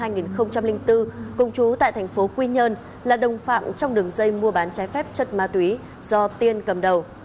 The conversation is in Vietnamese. nguyễn phan ngọc bảo quyên sinh năm hai nghìn bốn công chú tại thành phố quy nhơn là đồng phạm trong đường dây mua bán trái phép chất ma túy do tiên cầm đầu